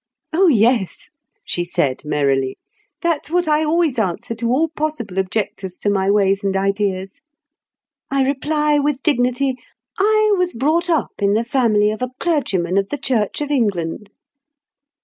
"Oh yes," she said, merrily; "that's what I always answer to all possible objectors to my ways and ideas. I reply with dignity, 'I was brought up in the family of a clergyman of the Church of England.